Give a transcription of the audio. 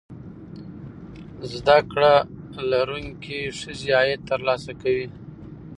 زده کړې لرونکې ښځې عاید ترلاسه کوي.